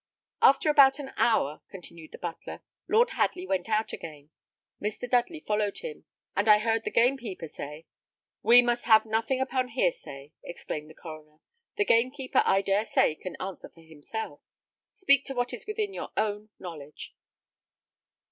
"About an hour after," continued the butler, "Lord Hadley went out again, Mr. Dudley followed him, and I heard the gamekeeper say " "We must have nothing upon hearsay," exclaimed the coroner; "the gamekeeper, I dare say, can answer for himself. Speak to what is within your own knowledge."